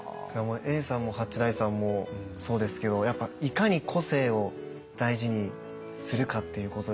永さんも八大さんもそうですけどやっぱいかに個性を大事にするかっていうことですよね。